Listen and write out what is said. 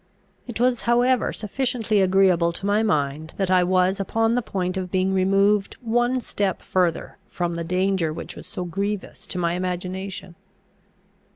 It was however sufficiently agreeable to my mind, that I was upon the point of being removed one step further from the danger which was so grievous to my imagination.